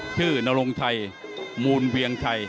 นรงชัยมูลเวียงชัย